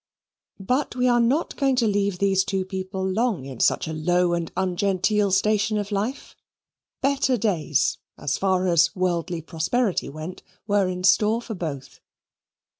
But we are not going to leave these two people long in such a low and ungenteel station of life. Better days, as far as worldly prosperity went, were in store for both.